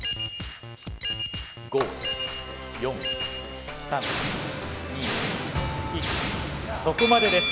５４３２１そこまでです。